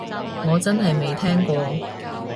我真係未聽過